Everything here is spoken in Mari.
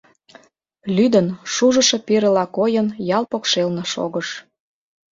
Лӱдын, шужышо пирыла койын, ял покшелне шогыш.